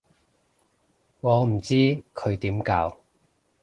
我唔知佢點教